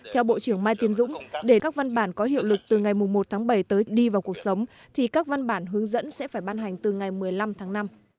theo bộ trưởng mai tiến dũng để các văn bản có hiệu lực từ ngày một tháng bảy tới đi vào cuộc sống thì các văn bản hướng dẫn sẽ phải ban hành từ ngày một mươi năm tháng năm